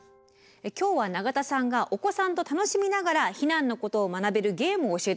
今日は永田さんがお子さんと楽しみながら避難のことを学べるゲームを教えてくれるそうなんです。